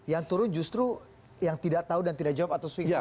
yang turun justru yang tidak tahu dan tidak jawab atau swing